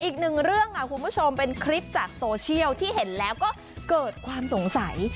อีกหนึ่งเรื่องค่ะคุณผู้ชมเป็นคลิปจากโซเชียลที่เห็นแล้วก็เกิดความสงสัย